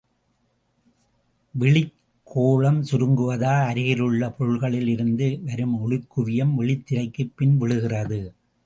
விழிக்கோளம் சுருங்குவதால் அருகிலுள்ள பொருள்களில் இருந்து வரும் ஒளிக்குவியம் விழித்திரைக்குப் பின் விழுகிறது.